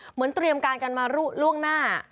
เหมือนเตรียมการกันมาล่วงหน้า